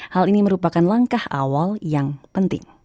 hal ini merupakan langkah awal yang penting